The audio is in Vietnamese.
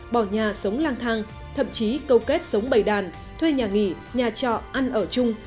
bỏ nhà sống lang thang thậm chí câu kết sống bày đàn thuê nhà nghỉ nhà trọ ăn ở chung